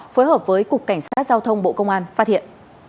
phối hợp với cục cảnh sát giao thông bộ công an phát hiện